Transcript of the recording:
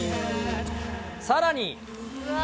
さらに。